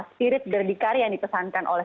spirit derdekar yang dipesankan oleh